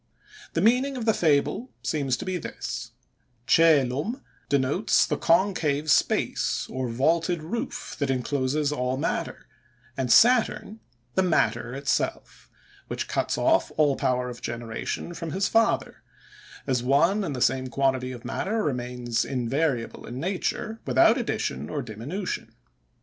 The meaning of the fable seems to be this: Cœlum denotes the concave space, or vaulted roof that incloses all matter, and Saturn the matter itself, which cuts off all power of generation from his father; as one and the same quantity of matter remains invariable in nature, without addition or diminution.